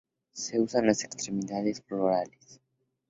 Se usan las extremidades florales.